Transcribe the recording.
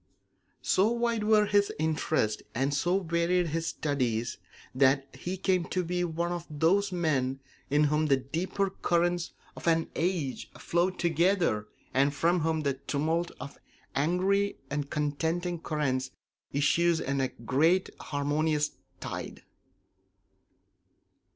So wide were his interests and so varied his studies that he came to be one of those men in whom the deeper currents of an age flow together and from whom the tumult of angry and contending currents issues in a great harmonious tide.